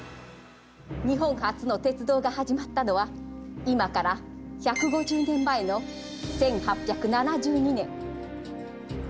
日本初の鉄道が始まったのは今から１５０年前の１８７２年。